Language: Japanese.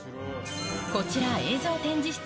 こちら映像展示室